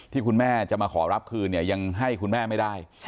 ที่คุณแม่จะมาขอรับคืนเนี่ยยังให้คุณแม่ไม่ได้